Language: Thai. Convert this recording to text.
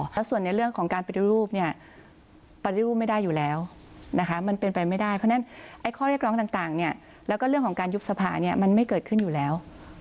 แล้วส่วนในเรื่องของการปฏิรูปเนี่ยปฏิรูปไม่ได้อยู่แล้วนะคะมันเป็นไปไม่ได้เพราะฉะนั้นข้อเรียกร้องต่างเนี่ยแล้วก็เรื่องของการยุบสภาเนี่ยมันไม่เกิดขึ้นอยู่แล้ว